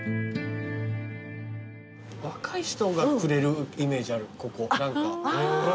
若い人がくれるイメージあるここ何か。